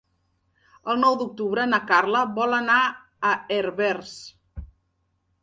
El nou d'octubre na Carla vol anar a Herbers.